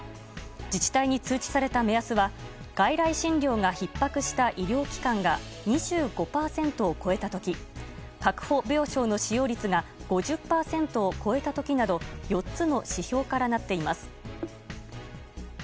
自治体に通知された目安は外来診療がひっ迫した医療機関が２５％を超えた時確保病床の使用率が５０％を超えた時など４つの指標からなっています。